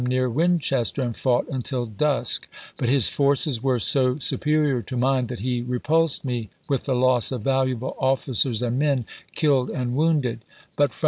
near Winchester, and fought until dusk, but his forces were so superior to mine that he repulsed me with the loss of Jackson to valuable officers and men killed and wounded ; but from March's!